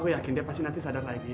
gue yakin dia pasti nanti sadar lagi